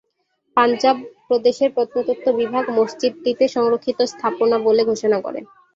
পাঞ্জাব প্রদেশের প্রত্নতত্ত্ব বিভাগ মসজিদটিতে সংরক্ষিত স্থাপনা বলে ঘোষণা করে।